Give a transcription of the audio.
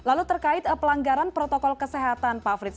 lalu terkait pelanggaran protokol kesehatan pak frits